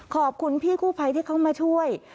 ขอบคุณพี่กู้ภัยที่เขามาช่วย